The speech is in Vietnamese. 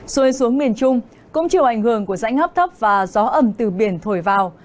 rồi xuống miền trung cũng chịu ảnh hưởng của rãnh hấp thấp và gió ấm từ biển thổi vào